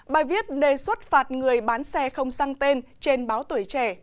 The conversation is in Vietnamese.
bài viết đề xuất phạt người bán xe không sang tên trên báo tuổi trẻ